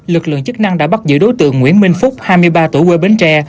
lực lượng chức năng đã bắt giữ đối tượng nguyễn minh phúc hai mươi ba tuổi quê bến tre